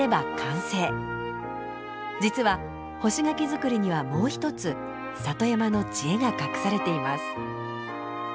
実は干し柿作りにはもう一つ里山の知恵が隠されています。